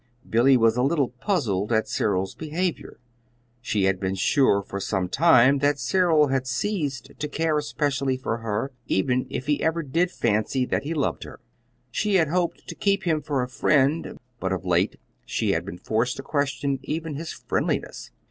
Billy was a little puzzled at Cyril's behavior. She had been sure for some time that Cyril had ceased to care specially for her, even if he ever did fancy that he loved her. She had hoped to keep him for a friend, but of late she had been forced to question even his friendliness.